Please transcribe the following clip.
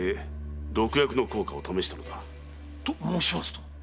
と申しますと？